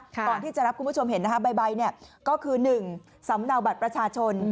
ตอนที่จะรับคุณผู้ชมเห็นใบก็คือ๑สำเนาบัตรประชาชน